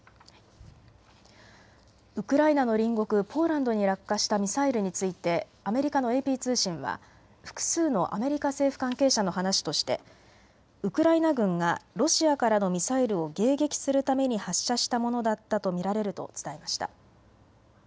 ウクライナの隣国ポーランドに落下したミサイルについてアメリカのＡＰ通信は複数のアメリカ政府関係者の話としてウクライナ軍がロシアからのミサイルを迎撃するために発射したものだったと見られると伝えました。